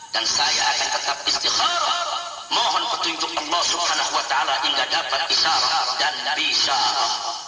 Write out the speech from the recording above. dan saya akan tetap istighara mohon betul untuk allah swt hingga dapat isyara dan pisara